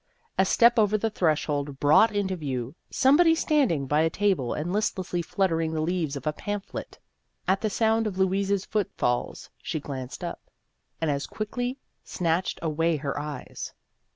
A step over the threshold brought into view somebody standing by a table and listlessly fluttering the leaves of a pamphlet. At the sound of Louise's foot falls, she glanced up, and as quickly snatched away her eyes.